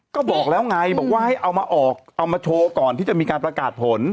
ก็บอกแล้วไงบอกว่าให้เอามาออกเอามาโชว์ก่อนที่จะมีการประกาศผล